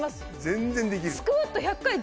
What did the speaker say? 全然できる。